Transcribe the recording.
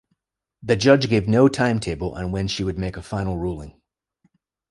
The judge gave no timetable on when she would make a final ruling.